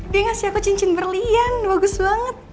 dia ngasih aku cincin berlian bagus banget